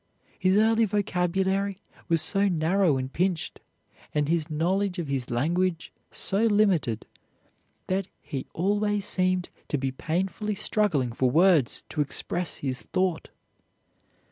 His early vocabulary was so narrow and pinched, and his knowledge of his language so limited that he always seemed to be painfully struggling for words to express his thought.